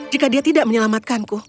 jika dia tidak menyelamatkanku